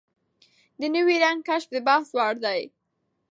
د نوي رنګ کشف د بحث وړ دی.